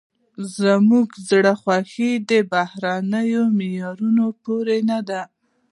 زموږ زړه خوښي د بهرني معیارونو پورې نه ده.